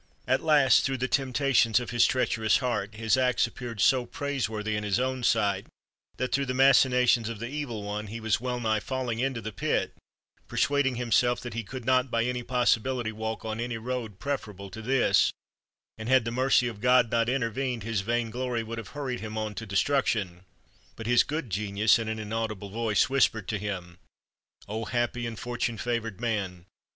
At last, through tlic temptations of his treacher ous heart, his acts appeared so praiseworthy in his own sight that, through the machinations of the E\^il One, he was well nigh falling into the pit, persuading himself that he could not by any possibility walk on any road preferable to this; and had the mercy of God not inter vened, his vainglory would have hurried him on to destruction. But his good genius in an inaudible voice whispered to him: "O happy and fortune favored man!